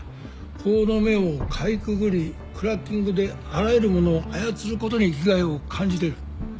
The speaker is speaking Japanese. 法の目をかいくぐりクラッキングであらゆるものを操ることに生きがいを感じてる。